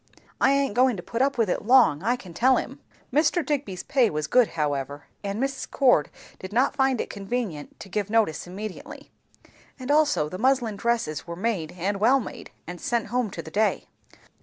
I aint goin' to put up with it long, I can tell 'em." Mr. Digby's pay was good however, and Mrs. Cord did not find it convenient to give notice immediately; and also the muslin dresses were made and well made, and sent home to the day.